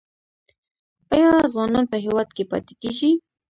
آیا ځوانان په هیواد کې پاتې کیږي؟